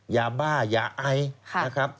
ยาบ้ายาไอซ์